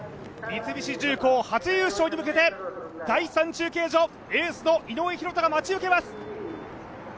三菱重工、初優勝に向けて第３中継所、エースの井上大仁が待ち受けます。